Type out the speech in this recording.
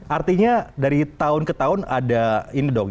artinya dari tahun ke tahun ada ini dong